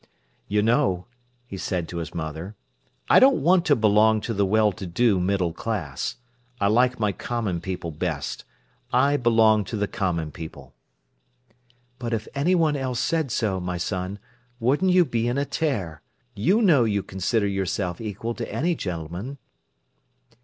"You know," he said to his mother, "I don't want to belong to the well to do middle class. I like my common people best. I belong to the common people." "But if anyone else said so, my son, wouldn't you be in a tear. You know you consider yourself equal to any gentleman."